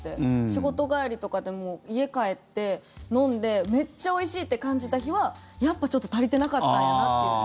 仕事帰りとかでも家帰って、飲んでめっちゃおいしいって感じた日はやっぱちょっと足りてなかったんだなっていう。